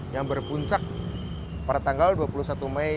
yang berpuncak pada tanggal dua puluh satu mei